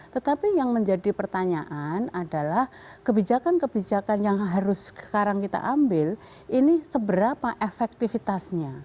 tetapi yang menjadi pertanyaan adalah kebijakan kebijakan yang harus sekarang kita ambil ini seberapa efektifitasnya